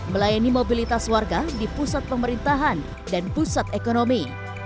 melayani mobilitas warga di pusat pemerintahan dan pusat ekonomi